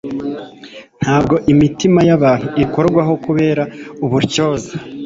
Ntabwo imitima yabantu ikorwaho kubera ubutyoza